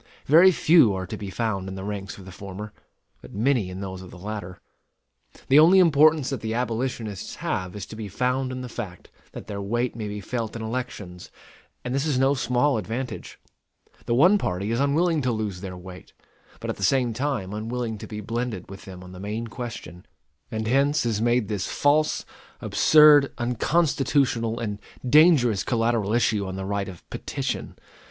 Very few are to be found in the ranks of the former; but many in those of the latter. The only importance that the abolitionists have is to be found in the fact that their weight may be felt in elections; and this is no small advantage. The one party is unwilling to lose their weight, but at the same time unwilling to be blended with them on the main question; and hence is made this false, absurd, unconstitutional, and dangerous collateral issue on the right of petition.